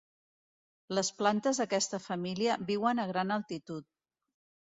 Les plantes d'aquesta família viuen a gran altitud.